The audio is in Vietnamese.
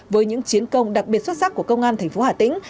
với những chiến công đặc biệt xuất sắc của công an tp hà tĩnh